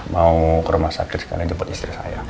mau ke rumah sakit sekali jemput istri saya